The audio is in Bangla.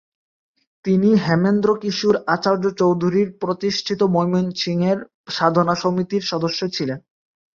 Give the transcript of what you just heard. তিনি হেমেন্দ্রকিশোর আচার্য চৌধুরীর প্রতিষ্ঠিত ময়মনসিংহের সাধনা সমিতির সদস্য ছিলেন।